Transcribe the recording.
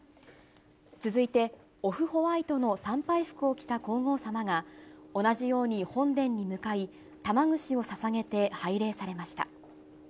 続いて、オフホワイトの参拝服を着た皇后さまが、同じように本殿に向かい、玉串をささげて拝礼されました。